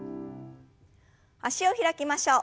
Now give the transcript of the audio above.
脚を開きましょう。